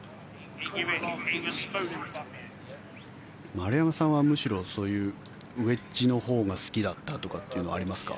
丸山さんはむしろそういうウェッジのほうが好きだったとかってのはありますか？